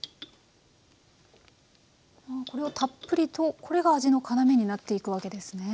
これをたっぷりとこれが味の要になっていくわけですね。